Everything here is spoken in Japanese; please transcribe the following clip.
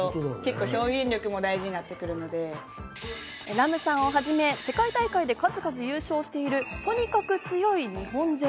ＲＡＭさんをはじめ、世界大会で数々優勝しているとにかく強い日本勢。